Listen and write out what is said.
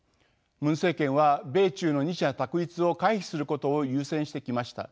ムン政権は米中の二者択一を回避することを優先してきました。